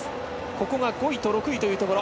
５位と６位というところ。